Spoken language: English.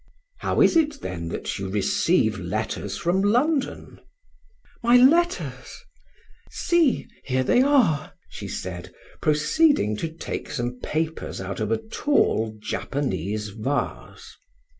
"How is it, then, that you receive letters from London?" "My letters?... See, here they are!" she said, proceeding to take some papers out of a tall Japanese vase.